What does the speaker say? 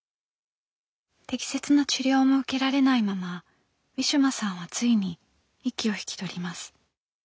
適切な治療も受けられないままウィシュマさんはついに息を引き取ります。